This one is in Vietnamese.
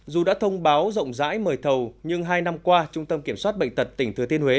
dù đã thông báo rộng rãi mời thầu nhưng hai năm qua trung tâm kiểm soát bệnh tật tỉnh thừa thiên huế